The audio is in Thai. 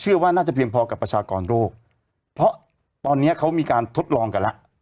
ว่าน่าจะเพียงพอกับประชากรโรคเพราะตอนนี้เขามีการทดลองกันแล้ว